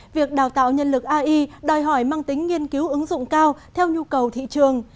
việc đào tạo nhân lực ai đòi hỏi mang tính nghiên cứu ứng dụng cao theo nhu cầu thị trường